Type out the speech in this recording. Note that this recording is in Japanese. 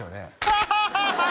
ハハハハハ！